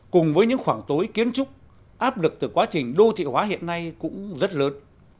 cùng với những khoảng tối kiến trúc áp lực từ quá trình đô thị hóa hiện nay cũng rất lớn